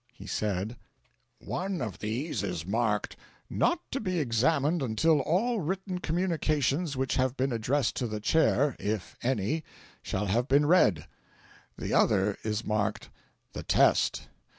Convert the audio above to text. He said: "One of these is marked, 'Not to be examined until all written communications which have been addressed to the Chair if any shall have been read.' The other is marked 'THE TEST.'